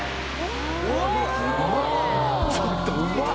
ちょっとうまっ。